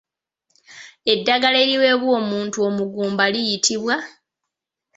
Eddagala eriweebwa omuntu omugumba liyitibwa?